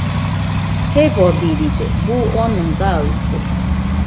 Jefodiride, buu oona gaɨte